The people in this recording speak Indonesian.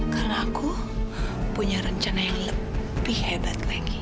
karena aku punya rencana yang lebih hebat lagi